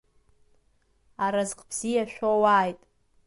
Аразҟ бзиа шәоуааит!